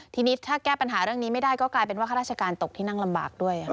ทีนี้ถ้าแก้ปัญหาเรื่องนี้ไม่ได้ก็กลายเป็นว่าข้าราชการตกที่นั่งลำบากด้วย